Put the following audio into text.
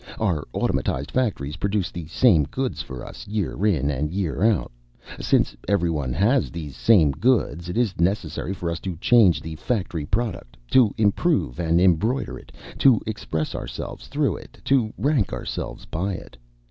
Our automatized factories produce the same goods for us year in and year out. Since everyone has these same goods, it is necessary for us to change the factory product, to improve and embroider it, to express ourselves through it, to rank ourselves by it.